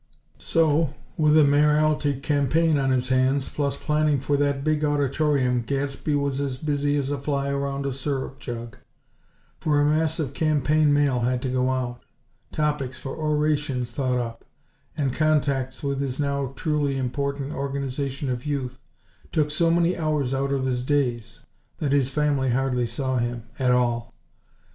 So, with a Mayoralty campaign on his hands, plus planning for that big auditorium, Gadsby was as busy as a fly around a syrup jug; for a mass of campaign mail had to go out; topics for orations thought up; and contacts with his now truly important Organization of Youth, took so many hours out of his days that his family hardly saw him, at all.